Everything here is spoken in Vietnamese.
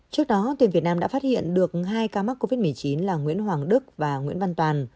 trước đó tuyển việt nam đã phát hiện được hai ca mắc covid một mươi chín là nguyễn hoàng đức và nguyễn văn toàn